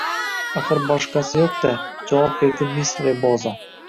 Axir, boshqasi yo`qda, javob berdi miss Reboza